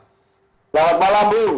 selamat malam bu